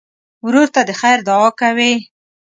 ورور ته د خیر دعا کوې.